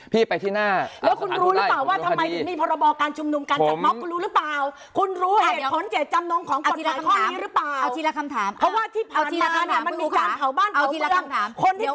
พี่ไปที่หน้าอาจารย์ได้ผมโดนคดี